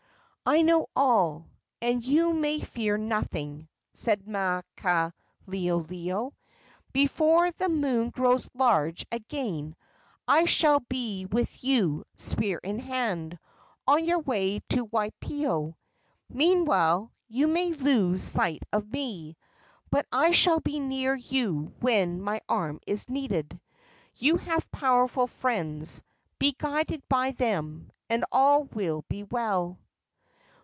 "I know all, and you may fear nothing," said Maukaleoleo. "Before the moon grows large again I shall be with you, spear in hand, on your way to Waipio. Meantime you may lose sight of me, but I shall be near you when my arm is needed. You have powerful friends. Be guided by them, and all will be well."